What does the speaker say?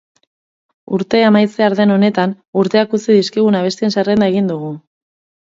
Urte amaitzear den honetan urteak utzi dizkigun abestien zerrenda egin dugu.